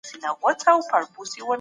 د اصلاح په نيت نقد وکړئ.